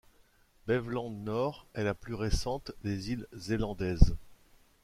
Beveland-Nord est la plus récente des îles zélandaises.